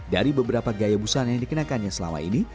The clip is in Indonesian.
dari beberapa gaya busana yang dikenakannya selama ini